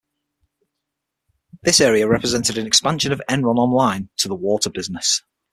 This area represented an expansion of EnronOnline to the water business.